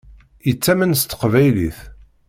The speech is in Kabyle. Yettamen s teqbaylit.